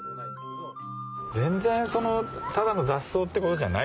全然ただの雑草ってことじゃないですね。